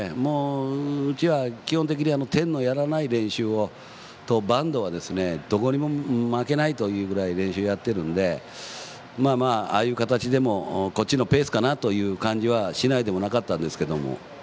うちは基本的に点をやらない練習とバントはどこにも負けないというぐらい練習をしてたのでああいう形でも、こっちのペースかなという感じもしないでもなかったんですが。